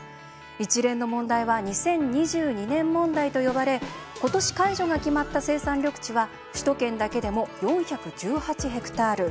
一連の問題は２０２２年問題と呼ばれことし解除が決まった生産緑地は首都圏だけでも４１８ヘクタール。